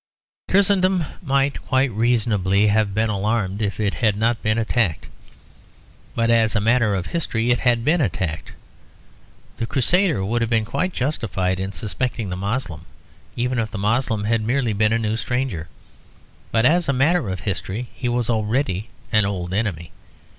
Christendom might quite reasonably have been alarmed if it had not been attacked. But as a matter of history it had been attacked. The Crusader would have been quite justified in suspecting the Moslem even if the Moslem had merely been a new stranger; but as a matter of history he was already an old enemy.